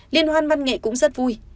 liên hoan măn nghệ cũng rất vui